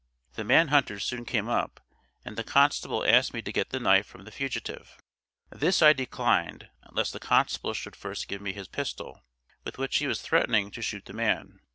The man hunters soon came up, and the constable asked me to get the knife from the fugitive. This I declined, unless the constable should first give me his pistol, with which he was threatening to shoot the man.